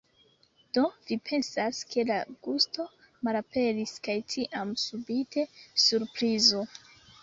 Do, vi pensas, ke la gusto malaperis kaj tiam subite surprizo